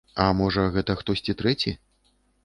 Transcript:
А, можа, гэта хтосьці трэці?